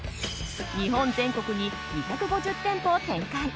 日本全国に２５０店舗を展開。